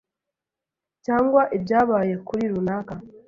cyangwA ibyabaye kuri runaka